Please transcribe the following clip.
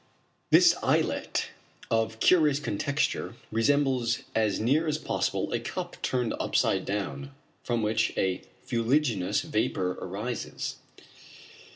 This islet, of curious contexture, resembles as near as possible a cup turned upside down, from which a fuliginous vapor arises.